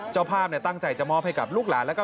เจ้าพาพตั้งใจจะมอบให้ลูกหลานและแขก